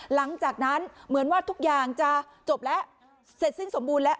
หลังจากนั้นเหมือนว่าทุกอย่างจะจบแล้วเสร็จสิ้นสมบูรณ์แล้ว